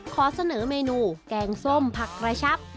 ขอเสนอเมนูแกงส้มผักกระชับ